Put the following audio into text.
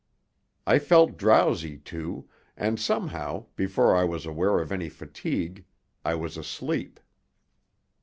I felt drowsy, too, and somehow, before I was aware of any fatigue, I was asleep.